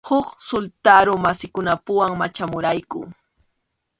Huk sultarumasikunapuwan machamurayku.